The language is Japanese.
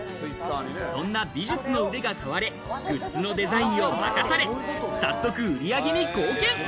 そんな美術の腕が買われ、グッズのデザインを任され、早速売上に貢献。